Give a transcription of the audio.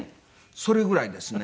それぐらいですね。